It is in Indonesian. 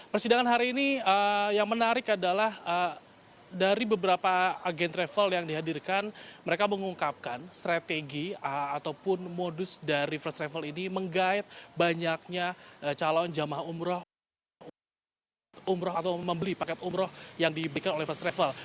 persidangan hari ini yang menarik adalah dari beberapa agen travel yang dihadirkan mereka mengungkapkan strategi ataupun modus dari first travel ini menggait banyaknya calon jemaah umroh umroh atau membeli paket umroh yang diberikan oleh first travel